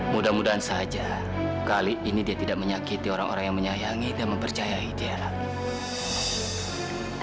mudah mudahan saja kali ini dia tidak menyakiti orang orang yang menyayangi dan mempercayai dia rapi